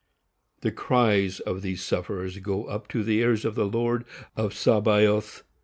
The cries of these sufferers go up to the ears of the Lord of Sabaoth.